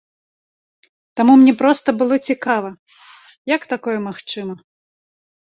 Таму мне проста было цікава, як такое магчыма.